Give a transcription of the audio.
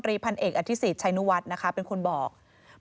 แต่ลูกหนูถึงในรถ